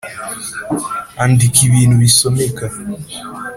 • andika ibintu bisomeka.